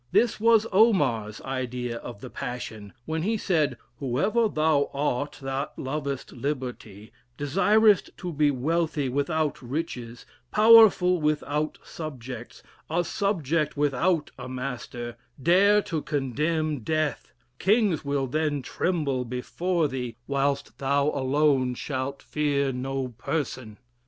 This was Omar's idea of the passion, when he said, 'Whoever thou art, that lovest liberty, desirest to be wealthy without riches, powerful without subjects, a subject without a master, dare to condemn death: kings will then tremble before thee, whilst thou alone shalt fear no person.'....